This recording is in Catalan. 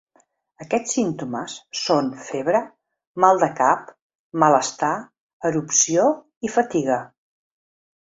Aquests símptomes són febre, mal de cap, malestar, erupció i fatiga.